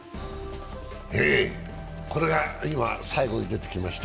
これが最後に出てきました